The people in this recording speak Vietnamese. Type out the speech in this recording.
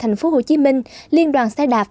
thành phố hồ chí minh liên đoàn xe đạp